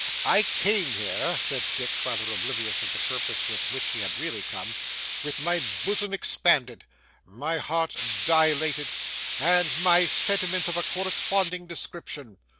'I came here,' said Dick, rather oblivious of the purpose with which he had really come, 'with my bosom expanded, my heart dilated, and my sentiments of a corresponding description.